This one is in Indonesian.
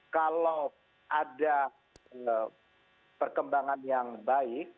kalau ada perkembangan yang baik